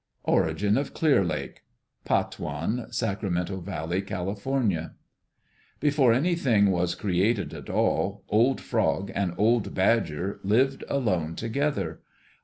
Origin of Clear Lake Patwin (Sacramento Valley, Cal.) Before anything was created at all, Old Frog and Old Badger lived alone together.